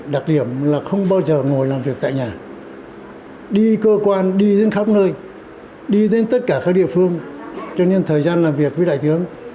đi đến khắp nơi đi đến tất cả các địa phương cho nên thời gian làm việc với đại tướng